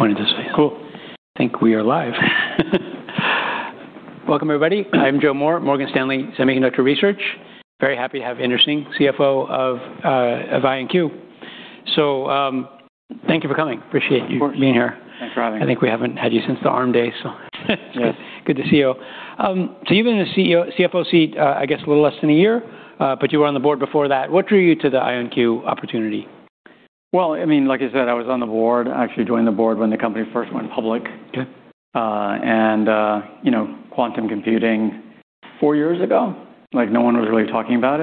I think we are live. Welcome, everybody. I'm Joe Moore, Morgan Stanley Semiconductor Research. Very happy to have Inder Singh, CFO of IonQ. Thank you for coming. Of course. being here. Thanks for having me. I think we haven't had you since the Arm days, so - Yes... it's good to see you. You've been in the CFO seat, I guess a little less than a year, but you were on the board before that. What drew you to the IonQ opportunity? Well, I mean, like I said, I was on the board. I actually joined the board when the company first went public. Okay. You know, quantum computing four years ago, like, no one was really talking about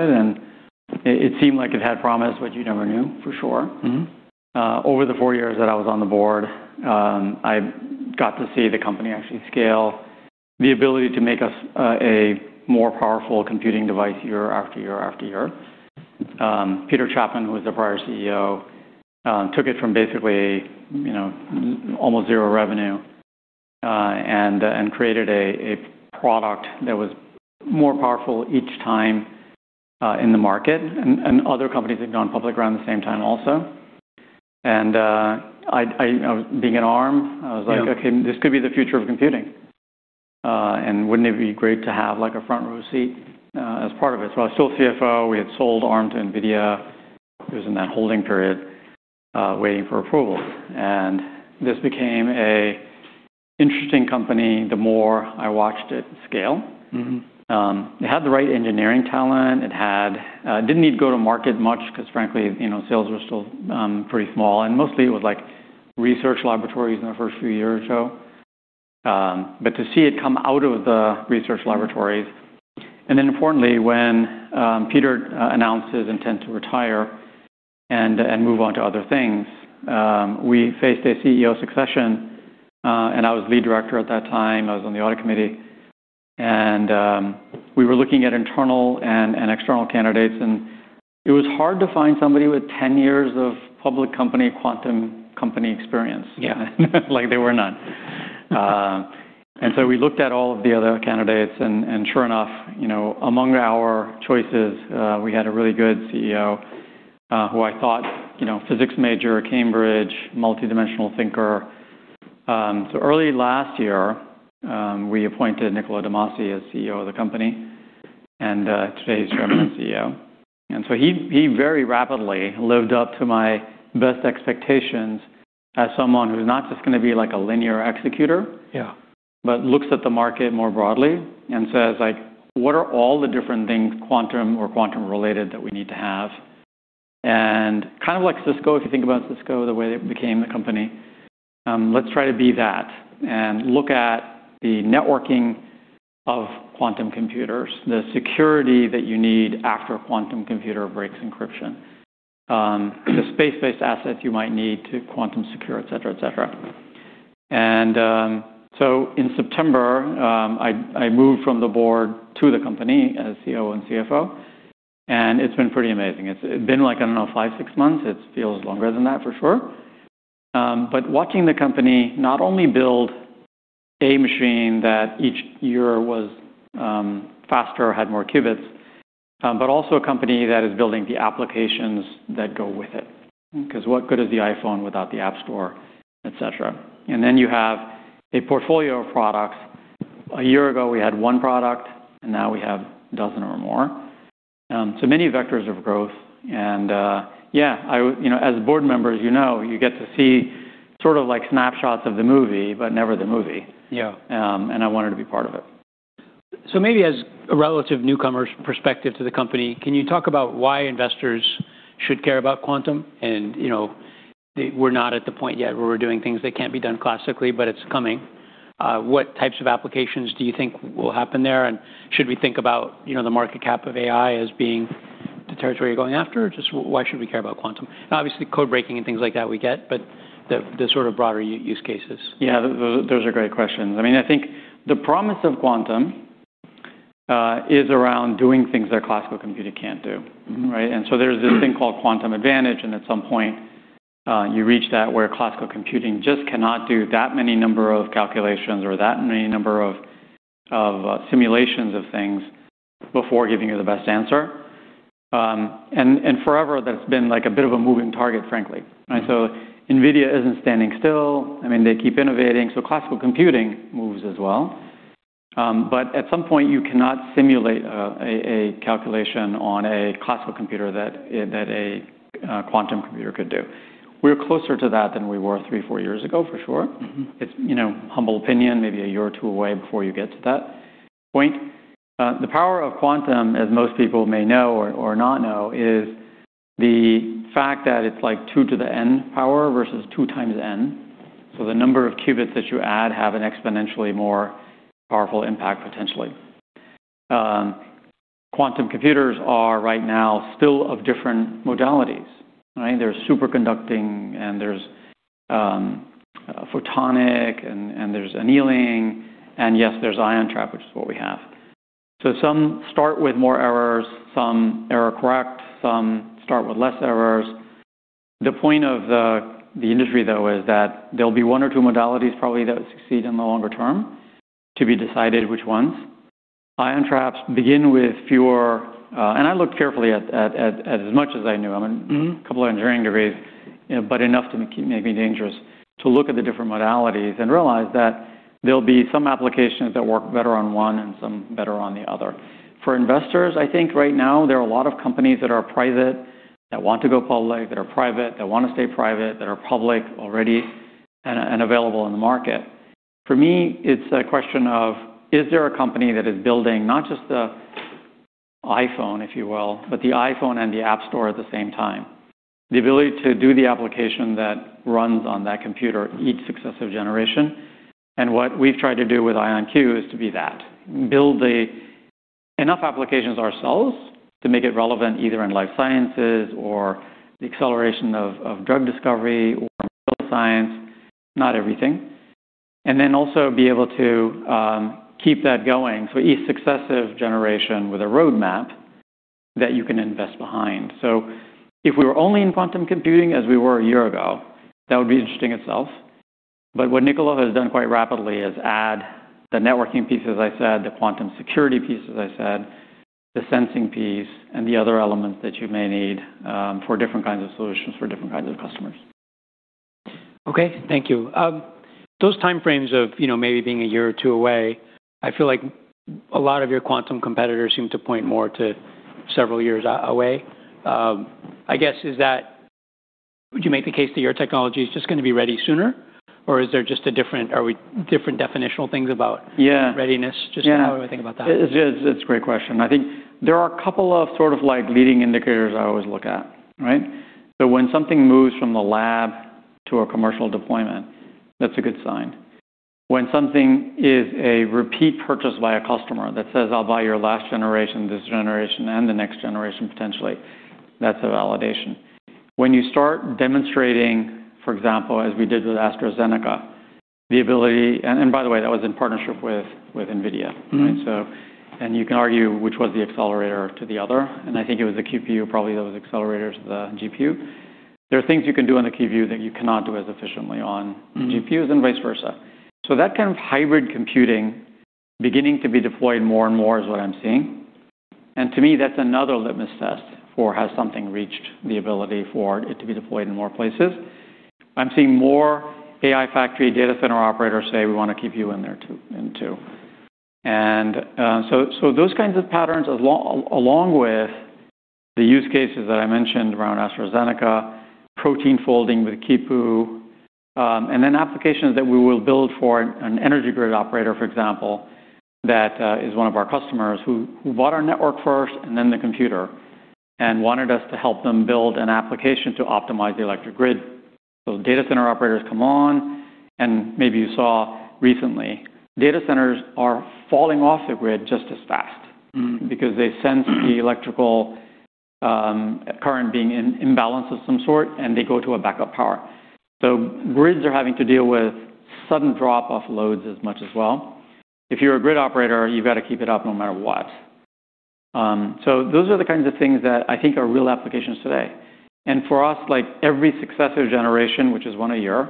it seemed like it had promise, but you never knew for sure. Mm-hmm. Over the four years that I was on the board, I got to see the company actually scale the ability to make us a more powerful computing device year after year after year. Peter Chapman, who was the prior CEO, took it from basically, you know, almost zero revenue and created a product that was more powerful each time in the market, and other companies had gone public around the same time also. I. You know, being at Arm, I was like- Yeah Okay, this could be the future of computing, and wouldn't it be great to have, like, a front row seat, as part of it?" I was still CFO. We had sold Arm to NVIDIA. It was in that holding period, waiting for approval. This became a interesting company the more I watched it scale. Mm-hmm. It had the right engineering talent. It didn't need to go to market much because, frankly, you know, sales were still pretty small, and mostly it was research laboratories in the first few years or so. To see it come out of the research laboratories, and then importantly, when Peter Chapman announced his intent to retire and move on to other things, we faced a CEO succession, and I was lead director at that time. I was on the audit committee and we were looking at internal and external candidates, and it was hard to find somebody with 10 years of public company, quantum company experience. Yeah. Like, there were none. We looked at all of the other candidates and sure enough, you know, among our choices, we had a really good CEO, who I thought, you know, physics major at Cambridge, multidimensional thinker. Early last year, we appointed Niccolò de Masi as CEO of the company, and today he's Chairman and CEO. He very rapidly lived up to my best expectations as someone who's not just gonna be, like, a linear executor... Yeah... but looks at the market more broadly and says, like, "What are all the different things quantum or quantum-related that we need to have?" Kind of like Cisco, if you think about Cisco, the way it became the company, let's try to be that and look at the networking of quantum computers, the security that you need after a quantum computer breaks encryption, the space-based assets you might need to quantum secure, et cetera, et cetera. In September, I moved from the board to the company as COO and CFO, and it's been pretty amazing. It's been like, I don't know, five, six months. It feels longer than that, for sure. Watching the company not only build a machine that each year was faster or had more qubits, but also a company that is building the applications that go with it. Because what good is the iPhone without the App Store, et cetera? You have a portfolio of products. A year ago, we had one product, and now we have a dozen or more. So many vectors of growth, and yeah, you know, as board members, you know, you get to see sort of, like, snapshots of the movie, but never the movie. Yeah. I wanted to be part of it. Maybe as a relative newcomer's perspective to the company, can you talk about why investors should care about quantum? You know, we're not at the point yet where we're doing things that can't be done classically, but it's coming. What types of applications do you think will happen there? Should we think about, you know, the market cap of AI as being the territory you're going after? Just why should we care about quantum? Obviously, code breaking and things like that we get, but the sort of broader use cases. Yeah. Those are great questions. I mean, I think the promise of quantum is around doing things that a classical computer can't do, right? There's this thing called quantum advantage, and at some point, you reach that, where classical computing just cannot do that many number of calculations or that many number of simulations of things before giving you the best answer. And forever that's been, like, a bit of a moving target, frankly. Mm-hmm. NVIDIA isn't standing still. I mean, they keep innovating, so classical computing moves as well. At some point, you cannot simulate a calculation on a classical computer that a quantum computer could do. We're closer to that than we were three, four years ago, for sure. Mm-hmm. It's, you know, humble opinion, maybe a year or two away before you get to that point. The power of quantum, as most people may know or not know, is the fact that it's, like, two to the N power versus two times N. The number of qubits that you add have an exponentially more powerful impact potentially. Quantum computers are right now still of different modalities, right? There's superconducting, and there's photonic, and there's annealing, and yes, there's ion trap, which is what we have. Some start with more errors, some error correct, some start with less errors. The point of the industry, though, is that there'll be one or two modalities probably that succeed in the longer term, to be decided which ones. Ion traps begin with fewer... I looked carefully at, as much as I knew. I mean, a couple of engineering degrees, you know, but enough to make me dangerous to look at the different modalities and realize that there'll be some applications that work better on one and some better on the other. For investors, I think right now there are a lot of companies that are private that want to go public, that are private, that wanna stay private, that are public already and available on the market. For me, it's a question of, is there a company that is building not just the iPhone, if you will, but the iPhone and the App Store at the same time? The ability to do the application that runs on that computer each successive generation. What we've tried to do with IonQ is to be that. Build enough applications ourselves to make it relevant either in life sciences or the acceleration of drug discovery or material science, not everything. Also be able to keep that going for each successive generation with a roadmap that you can invest behind. If we were only in quantum computing as we were a year ago, that would be interesting itself. What Niccolò has done quite rapidly is add the networking piece, as I said, the quantum security piece, as I said, the sensing piece, and the other elements that you may need for different kinds of solutions for different kinds of customers. Okay. Thank you. Those time frames of, you know, maybe being a year or two away, I feel like a lot of your quantum competitors seem to point more to several years away. Would you make the case that your technology is just gonna be ready sooner, or is there just a different definitional things about? Yeah readiness? Yeah how do I think about that? It's a great question. I think there are a couple of sort of like leading indicators I always look at, right? When something moves from the lab to a commercial deployment, that's a good sign. When something is a repeat purchase by a customer that says, "I'll buy your last generation, this generation, and the next generation," potentially, that's a validation. When you start demonstrating, for example, as we did with AstraZeneca, the ability... By the way, that was in partnership with NVIDIA, right? You can argue which was the accelerator to the other, and I think it was the QPU probably that was the accelerator to the GPU. There are things you can do on the QPU that you cannot do as efficiently on- Mm-hmm... GPUs and vice versa. That kind of hybrid computing beginning to be deployed more and more is what I'm seeing. To me, that's another litmus test for has something reached the ability for it to be deployed in more places. I'm seeing more AI factory data center operators say, "We wanna keep you in there too." So those kinds of patterns, along with the use cases that I mentioned around AstraZeneca, protein folding with Kipu, applications that we will build for an energy grid operator, for example, that is one of our customers who bought our network first and then the computer and wanted us to help them build an application to optimize the electric grid. Data center operators come on, and maybe you saw recently, data centers are falling off the grid just as fast... Mm-hmm ...because they sense the electrical current being in imbalance of some sort, and they go to a backup power. Grids are having to deal with sudden drop-off loads as much as well. If you're a grid operator, you've got to keep it up no matter what. So those are the kinds of things that I think are real applications today. For us, like every successive generation, which is one a year,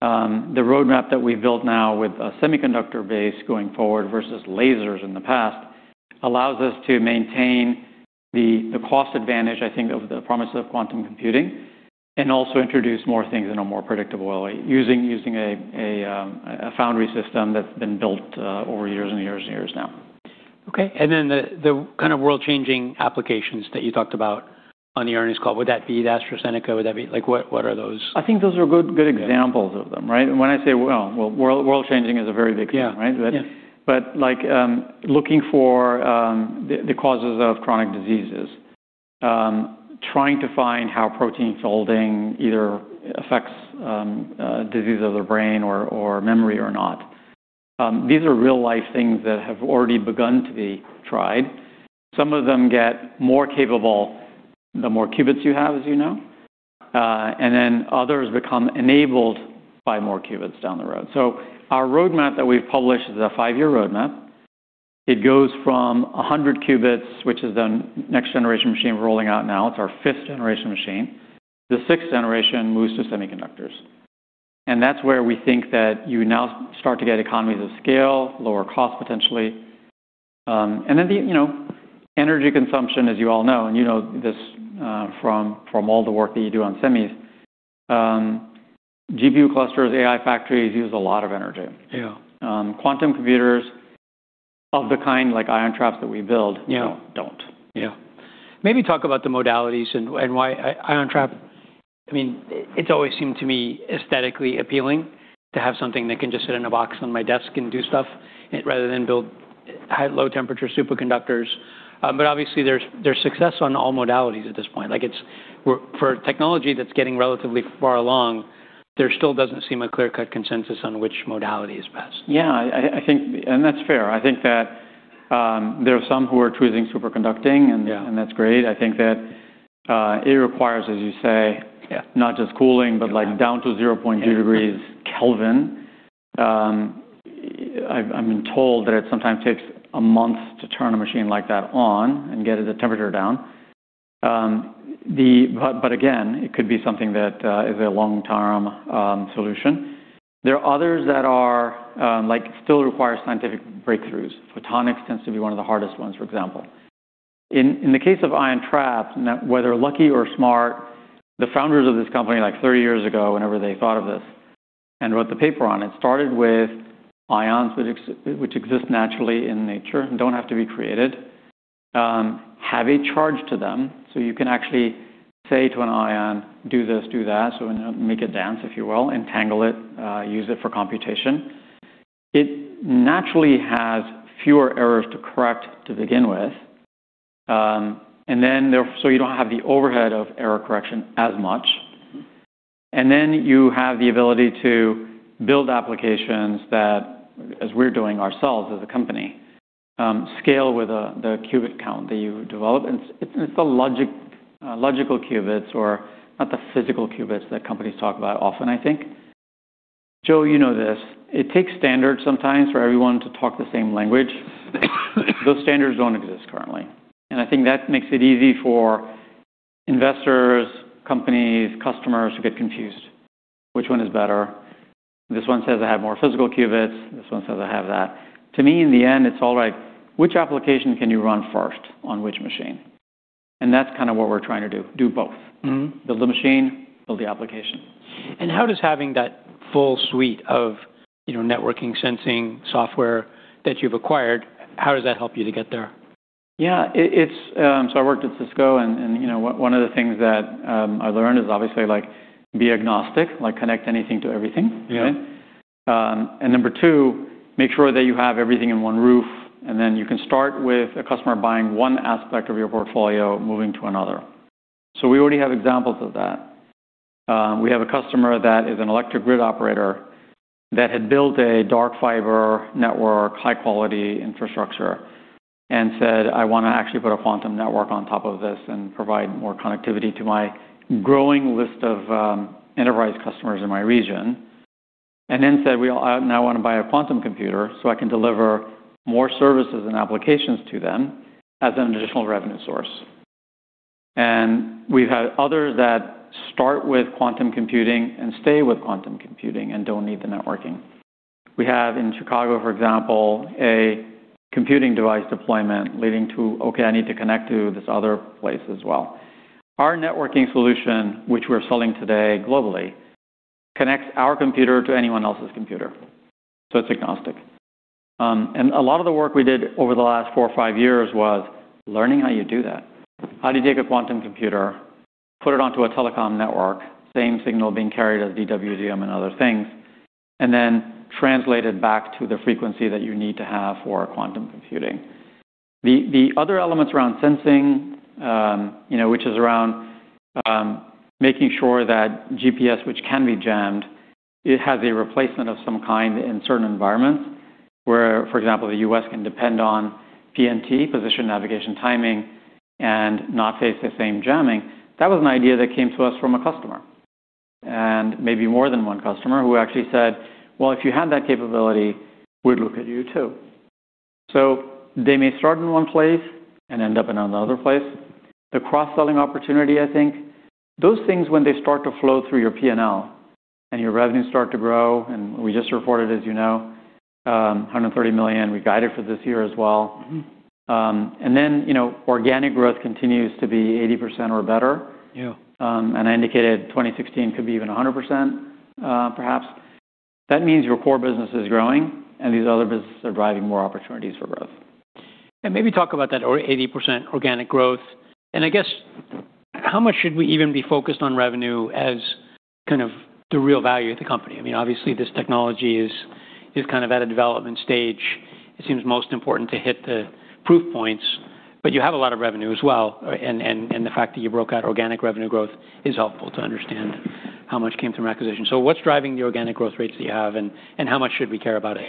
the roadmap that we've built now with a semiconductor-based going forward versus lasers in the past, allows us to maintain the cost advantage, I think, of the promise of quantum computing and also introduce more things in a more predictable way, using a foundry system that's been built over years and years and years now. Okay. Then the kind of world-changing applications that you talked about on the earnings call, would that be the AstraZeneca? Like, what are those? I think those are good examples. Yeah... of them, right? Well, world-changing is a very big thing, right? Yeah. Yeah. Like, looking for the causes of chronic diseases, trying to find how protein folding either affects disease of the brain or memory or not. These are real-life things that have already begun to be tried. Some of them get more capable the more qubits you have, as you know, and then others become enabled by more qubits down the road. Our roadmap that we've published is a five-year roadmap. It goes from 100 qubits, which is the next generation machine we're rolling out now. It's our 5th generation machine. The 6th generation moves to semiconductors, and that's where we think that you now start to get economies of scale, lower cost potentially. The, you know, energy consumption, as you all know, and you know this, from all the work that you do on semis, GPU clusters, AI factories use a lot of energy. Yeah. Quantum computers of the kind like ion traps that we build. Yeah... you know, don't. Yeah. Maybe talk about the modalities and why ion trap. I mean, it's always seemed to me aesthetically appealing to have something that can just sit in a box on my desk and do stuff rather than build low-temperature superconductors. Obviously there's success on all modalities at this point. Like, For technology that's getting relatively far along, there still doesn't seem a clear-cut consensus on which modality is best. Yeah. I think. That's fair. I think that there are some who are choosing superconducting-. Yeah... and that's great. I think that, it requires. Yeah not just cooling, but like down to 0.2 degrees Kelvin. I've been told that it sometimes takes a month to turn a machine like that on and get the temperature down. Again, it could be something that is a long-term solution. There are others that are like still require scientific breakthroughs. Photonics tends to be one of the hardest ones, for example. In the case of ion traps, whether lucky or smart, the founders of this company, like 30 years ago, whenever they thought of this and wrote the paper on it, started with ions which exist naturally in nature, don't have to be created, have a charge to them, so you can actually say to an ion, "Do this, do that," so make it dance, if you will, entangle it, use it for computation. It naturally has fewer errors to correct to begin with, so you don't have the overhead of error correction as much. Then you have the ability to build applications that, as we're doing ourselves as a company, scale with the qubit count that you develop. It's the logic, logical qubits or not the physical qubits that companies talk about often, I think. Joe, you know this, it takes standards sometimes for everyone to talk the same language. Those standards don't exist currently. I think that makes it easy for investors, companies, customers to get confused. Which one is better? This one says I have more physical qubits, this one says I have that. To me, in the end, it's all like, which application can you run first on which machine? That's kinda what we're trying to do both. Mm-hmm. Build the machine, build the application. How does having that full suite of, you know, networking, sensing software that you've acquired, how does that help you to get there? Yeah. It's I worked at Cisco and, you know, one of the things that I learned is obviously, like, be agnostic, like connect anything to everything. Yeah. Right? Number two, make sure that you have everything in one roof, and then you can start with a customer buying one aspect of your portfolio, moving to another. We already have examples of that. We have a customer that is an electric grid operator that had built a dark fiber network, high-quality infrastructure, and said, "I wanna actually put a quantum network on top of this and provide more connectivity to my growing list of enterprise customers in my region," and then said, "Well, I now wanna buy a quantum computer, so I can deliver more services and applications to them as an additional revenue source." We've had others that start with quantum computing and stay with quantum computing and don't need the networking. We have in Chicago, for example, a computing device deployment leading to, okay, I need to connect to this other place as well. Our networking solution, which we're selling today globally, connects our computer to anyone else's computer, so it's agnostic. A lot of the work we did over the last four or five years was learning how you do that. How do you take a quantum computer, put it onto a telecom network, same signal being carried as DWDM and other things, and then translate it back to the frequency that you need to have for quantum computing? The other elements around sensing, you know, which is around making sure that GPS, which can be jammed, it has a replacement of some kind in certain environments, where, for example, the U.S. can depend on PNT, position navigation timing, and not face the same jamming. That was an idea that came to us from a customer, and maybe more than one customer, who actually said, "Well, if you had that capability, we'd look at you, too." They may start in one place and end up in another place. The cross-selling opportunity, I think, those things when they start to flow through your P&L and your revenues start to grow, we just reported, as you know, $130 million, we guided for this year as well. Mm-hmm. You know, organic growth continues to be 80% or better. Yeah. I indicated 2016 could be even 100%, perhaps. That means your core business is growing and these other businesses are driving more opportunities for growth. Maybe talk about that or 80% organic growth. I guess how much should we even be focused on revenue as kind of the real value of the company? I mean, obviously, this technology is kind of at a development stage. It seems most important to hit the proof points, but you have a lot of revenue as well, right? The fact that you broke out organic revenue growth is helpful to understand how much came from acquisition. What's driving the organic growth rates that you have, and how much should we care about it?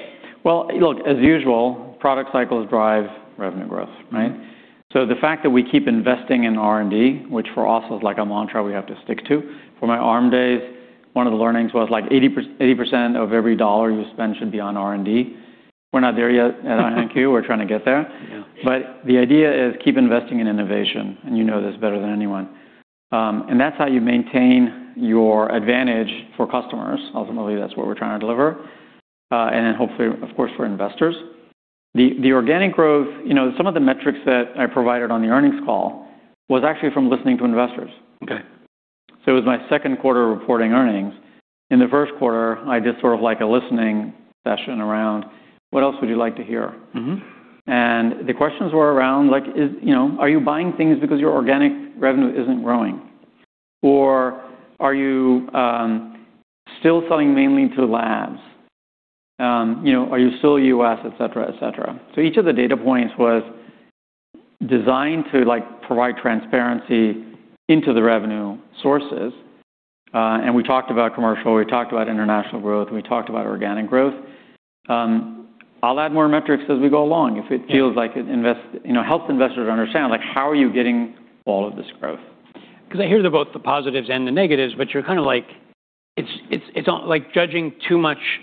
Well, look, as usual, product cycles drive revenue growth, right? The fact that we keep investing in R&D, which for us is like a mantra we have to stick to. From my Arm days, one of the learnings was like 80% of every $1 you spend should be on R&D. We're not there yet at IonQ. We're trying to get there. Yeah. The idea is keep investing in innovation. You know this better than anyone. That's how you maintain your advantage for customers. Ultimately, that's what we're trying to deliver. Hopefully, of course, for investors. The organic growth, you know, some of the metrics that I provided on the earnings call was actually from listening to investors. Okay. It was my second quarter reporting earnings. In the first quarter, I did sort of like a listening session around what else would you like to hear. Mm-hmm. The questions were around, like, is, you know, are you buying things because your organic revenue isn't growing? Or are you still selling mainly to labs? You know, are you still U.S.? Et cetera, et cetera. Each of the data points was designed to, like, provide transparency into the revenue sources. We talked about commercial, we talked about international growth, we talked about organic growth. I'll add more metrics as we go along, if it feels like it, you know, helps investors understand, like, how are you getting all of this growth? I hear the both, the positives and the negatives, but you're kinda like, it's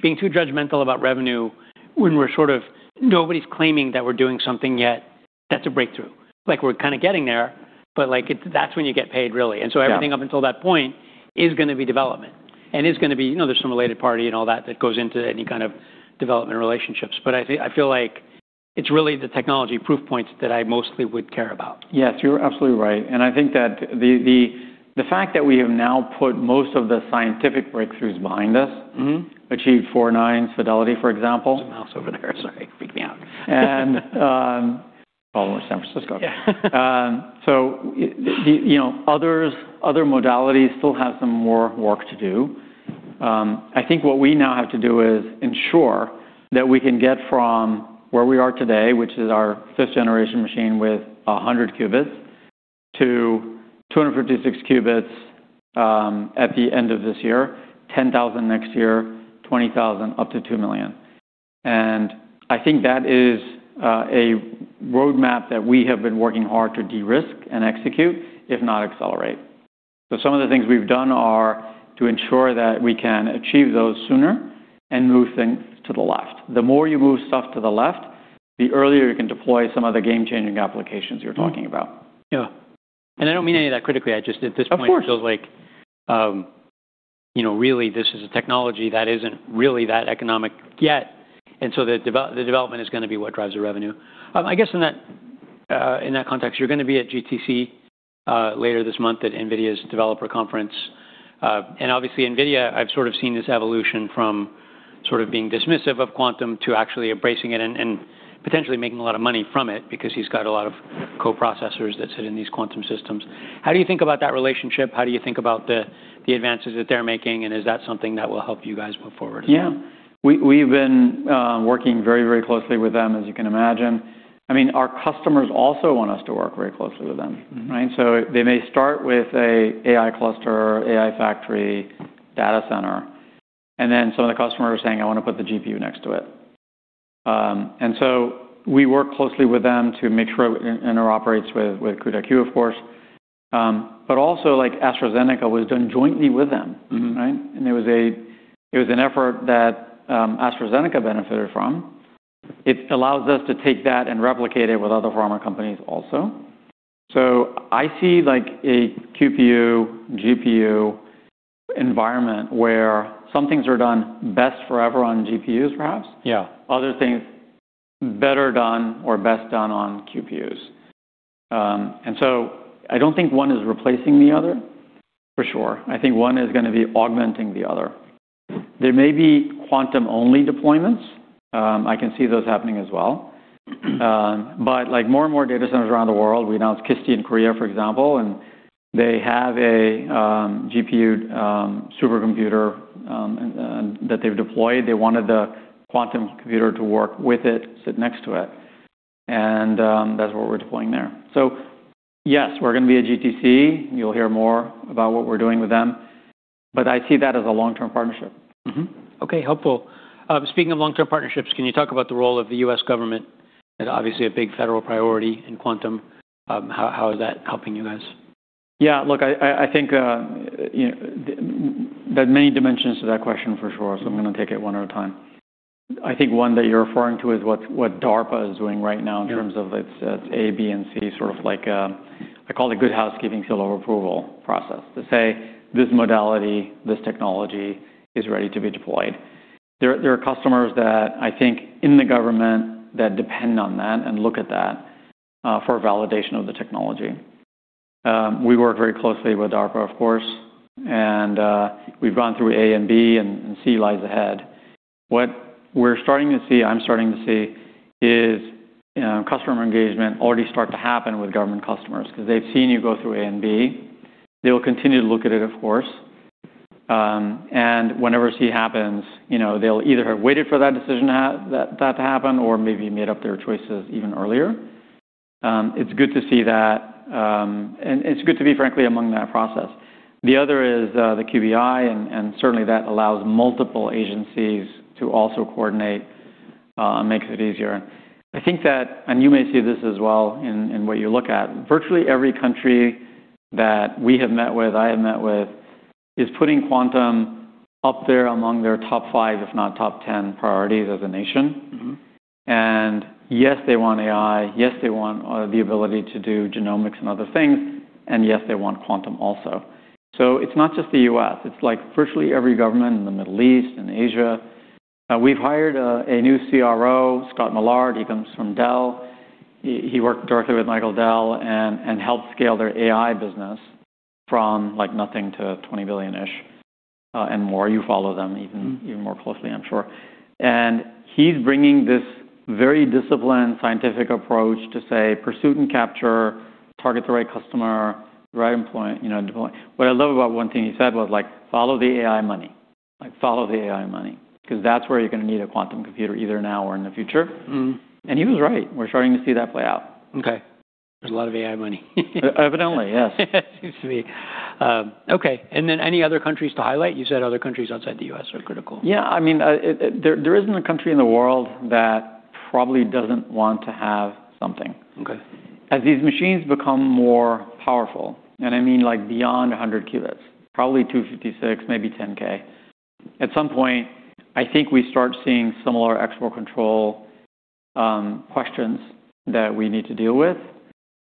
being too judgmental about revenue when we're sort of nobody's claiming that we're doing something yet that's a breakthrough. Like, we're kinda getting there, but that's when you get paid really. Yeah. Everything up until that point is gonna be development and is gonna be, you know, there's some related party and all that that goes into any kind of development relationships. I feel like it's really the technology proof points that I mostly would care about. Yes, you're absolutely right. I think that the fact that we have now put most of the scientific breakthroughs behind us. Mm-hmm achieved four nines fidelity, for example. There's a mouse over there. Sorry. Freaked me out. Oh, we're San Francisco. Yeah. you know, others, other modalities still have some more work to do. I think what we now have to do is ensure that we can get from where we are today, which is our 5th-generation machine with 100 qubits, to 256 qubits, at the end of this year, 10,000 next year, 20,000 up to 2 million. I think that is a roadmap that we have been working hard to de-risk and execute, if not accelerate. Some of the things we've done are to ensure that we can achieve those sooner and move things to the left. The more you move stuff to the left, the earlier you can deploy some of the game-changing applications you're talking about. Mm-hmm. Yeah. I don't mean any of that critically. I just at this point. Of course.... feel like, you know, really this is a technology that isn't really that economic yet. The development is gonna be what drives the revenue. I guess in that context, you're gonna be at GTC later this month at NVIDIA's developer conference. Obviously NVIDIA, I've sort of seen this evolution from sort of being dismissive of quantum to actually embracing it and potentially making a lot of money from it because he's got a lot of co-processors that sit in these quantum systems. How do you think about that relationship? How do you think about the advances that they're making, and is that something that will help you guys move forward as well? Yeah. We've been working very, very closely with them, as you can imagine. I mean, our customers also want us to work very closely with them, right? Mm-hmm. They may start with a AI cluster, AI factory data center, and then some of the customers are saying, "I wanna put the GPU next to it." We work closely with them to make sure it interoperates with CUDA Q, of course. Like AstraZeneca was done jointly with them, right? Mm-hmm. It was an effort that AstraZeneca benefited from. It allows us to take that and replicate it with other pharma companies also. I see like a QPU, GPU environment where some things are done best forever on GPUs, perhaps. Yeah. Other things better done or best done on QPUs. I don't think one is replacing the other, for sure. I think one is gonna be augmenting the other. There may be quantum-only deployments. I can see those happening as well. Like more and more data centers around the world, we announced KISTI in Korea, for example, and they have a GPU supercomputer that they've deployed. They wanted the quantum computer to work with it, sit next to it, and that's what we're deploying there. Yes, we're gonna be at GTC. You'll hear more about what we're doing with them, but I see that as a long-term partnership. Mm-hmm. Okay, helpful. Speaking of long-term partnerships, can you talk about the role of the U.S. government as obviously a big federal priority in quantum? How is that helping you guys? Yeah, look, I think, you know, that many dimensions to that question for sure, so I'm gonna take it one at a time. I think one that you're referring to is what DARPA is doing right now. Yeah... in terms of its A, B, and C, sort of like, I call it good housekeeping seal of approval process to say, "This modality, this technology is ready to be deployed." There are customers that I think in the government that depend on that and look at that for validation of the technology. We work very closely with DARPA, of course, and we've gone through A and B, and C lies ahead. What we're starting to see is, you know, customer engagement already start to happen with government customers 'cause they've seen you go through A and B. They will continue to look at it, of course. Whenever C happens, you know, they'll either have waited for that decision that to happen or maybe made up their choices even earlier. It's good to see that, it's good to be, frankly, among that process. The other is the QBI, and certainly that allows multiple agencies to also coordinate, makes it easier. I think that, you may see this as well in what you look at, virtually every country that we have met with, I have met with, is putting quantum up there among their top five, if not top 10 priorities as a nation. Mm-hmm. Yes, they want AI, yes, they want the ability to do genomics and other things, and yes, they want quantum also. It's not just the U.S., it's like virtually every government in the Middle East, in Asia. We've hired a new CRO, Scott Millard. He comes from Dell. He worked directly with Michael Dell and helped scale their AI business from like nothing to $20 billion-ish and more. You follow them even. Mm-hmm... even more closely, I'm sure. He's bringing this very disciplined scientific approach to say, "Pursuit and capture, target the right customer, right, you know, deploy." What I love about one thing he said was like, "Follow the AI money." Like, follow the AI money 'cause that's where you're gonna need a quantum computer either now or in the future. Mm-hmm. He was right. We're starting to see that play out. Okay. There's a lot of AI money. Evidently, yes. Seems to be. okay. Any other countries to highlight? You said other countries outside the U.S. are critical. Yeah, I mean, there isn't a country in the world Probably doesn't want to have something. Okay. As these machines become more powerful, and I mean, like, beyond 100 qubits, probably 256, maybe 10K. At some point, I think we start seeing similar export control questions that we need to deal with.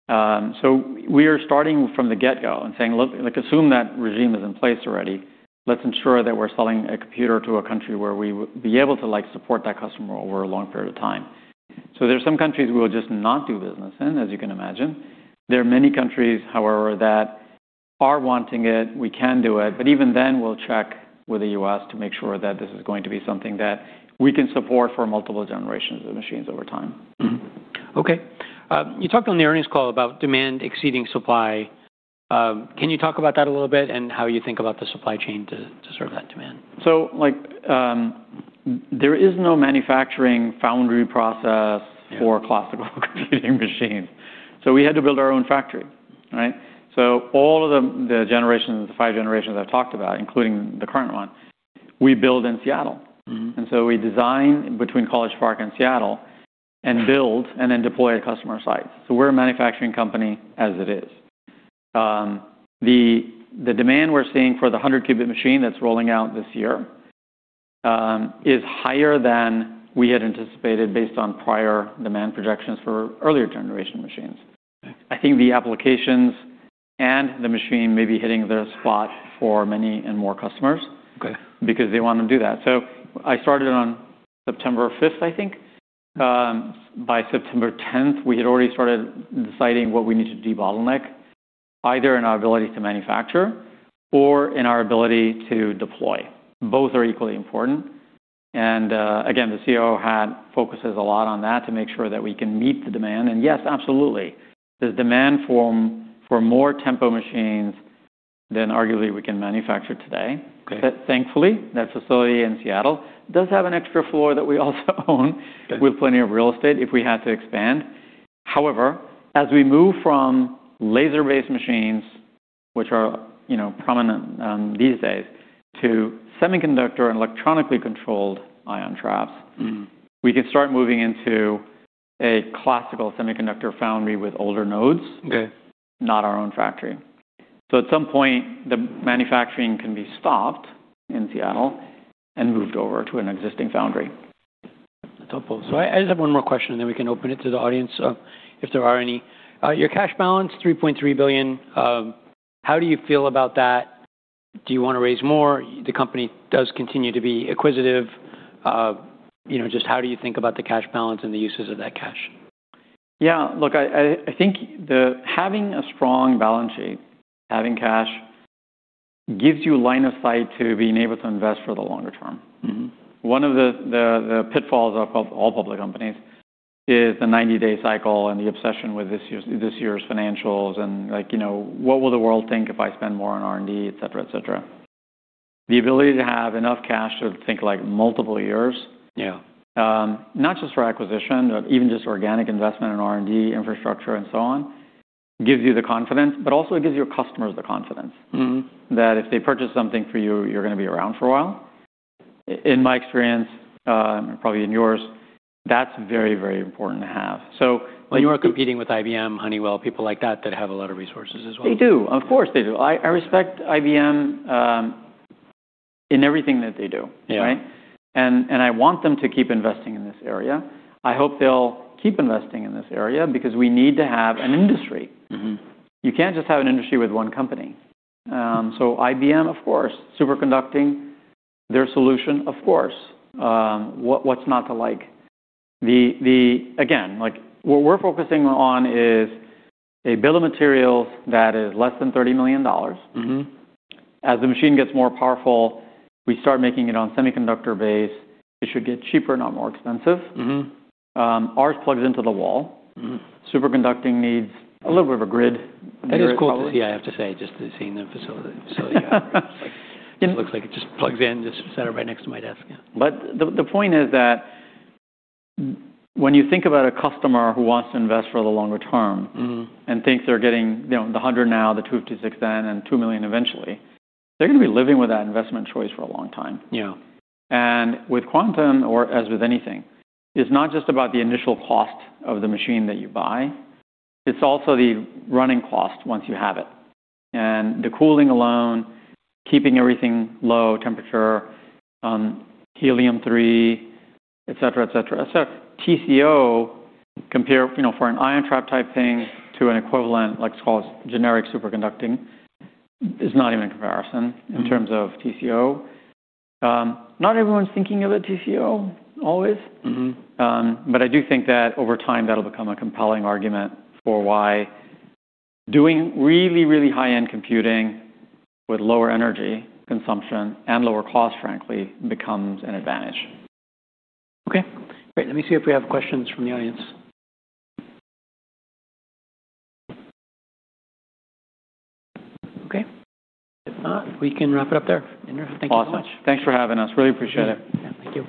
We are starting from the get-go and saying, look, like, assume that regime is in place already. Let's ensure that we're selling a computer to a country where we would be able to, like, support that customer over a long period of time. There's some countries we'll just not do business in, as you can imagine. There are many countries, however, that are wanting it, we can do it, but even then we'll check with the U.S. to make sure that this is going to be something that we can support for multiple generations of machines over time. Okay. You talked on the earnings call about demand exceeding supply. Can you talk about that a little bit and how you think about the supply chain to serve that demand? like, there is no manufacturing foundry. Yeah for a classical computing machine. We had to build our own factory, right? All of the generations, the five generations I've talked about, including the current one, we build in Seattle. Mm-hmm. We design between College Park and Seattle and build and then deploy at customer sites. We're a manufacturing company as it is. The demand we're seeing for the 100 qubit machine that's rolling out this year is higher than we had anticipated based on prior demand projections for earlier generation machines. Okay. I think the applications and the machine may be hitting the spot for many and more customers. Okay Because they want to do that. I started on September 5th, I think. By September 10th, we had already started deciding what we need to de-bottleneck, either in our ability to manufacture or in our ability to deploy. Both are equally important. Again, the COO hat focuses a lot on that to make sure that we can meet the demand. Yes, absolutely, there's demand for more Tempo machines than arguably we can manufacture today. Okay. Thankfully, that facility in Seattle does have an extra floor that we also own. Good with plenty of real estate if we had to expand. However, as we move from laser-based machines, which are, you know, prominent, these days, to semiconductor and electronically controlled ion traps. Mm-hmm We can start moving into a classical semiconductor foundry with older nodes. Okay. Not our own factory. At some point, the manufacturing can be stopped in Seattle and moved over to an existing foundry. That's helpful. I just have one more question, and then we can open it to the audience if there are any. Your cash balance, $3.3 billion. How do you feel about that? Do you wanna raise more? The company does continue to be acquisitive. You know, just how do you think about the cash balance and the uses of that cash? Yeah. Look, I think having a strong balance sheet, having cash, gives you line of sight to being able to invest for the longer term. Mm-hmm. One of the pitfalls of all public companies is the 90-day cycle and the obsession with this year's financials and like, you know, what will the world think if I spend more on R&D, et cetera, et cetera. The ability to have enough cash to think, like, multiple years- Yeah Not just for acquisition, but even just organic investment in R&D, infrastructure, and so on, gives you the confidence, but also it gives your customers the confidence. Mm-hmm that if they purchase something for you're gonna be around for a while. In my experience, probably in yours, that's very, very important to have. Well, you are competing with IBM, Honeywell, people like that have a lot of resources as well. They do. Of course they do. I respect IBM in everything that they do. Yeah. Right? I want them to keep investing in this area. I hope they'll keep investing in this area because we need to have an industry. Mm-hmm. You can't just have an industry with one company. IBM, of course. Superconducting, their solution, of course. What's not to like? Again, like what we're focusing on is a bill of materials that is less than $30 million. Mm-hmm. As the machine gets more powerful, we start making it on semiconductor base, it should get cheaper, not more expensive. Mm-hmm. Ours plugs into the wall. Mm-hmm. Superconducting needs a little bit of a grid. They're probably- That is cool to see, I have to say, just seeing the facility. Yeah. It looks like it just plugs in, just set it right next to my desk, yeah. The point is that when you think about a customer who wants to invest for the longer term. Mm-hmm -and thinks they're getting, you know, the 100 now, the 256 then, and 2 million eventually, they're gonna be living with that investment choice for a long time. Yeah. With quantum or as with anything, it's not just about the initial cost of the machine that you buy, it's also the running cost once you have it. The cooling alone, keeping everything low temperature, Helium-3, et cetera, et cetera, et cetera. TCO compare, you know, for an ion trap type thing to an equivalent, let's call it generic superconducting, is not even a comparison. Mm-hmm in terms of TCO. Not everyone's thinking of the TCO always. Mm-hmm. I do think that over time, that'll become a compelling argument for why doing really, really high-end computing with lower energy consumption and lower cost, frankly, becomes an advantage. Okay. Great. Let me see if we have questions from the audience. Okay. If not, we can wrap it up there. Inder, thank you so much. Awesome. Thanks for having us. Really appreciate it. Yeah. Thank you.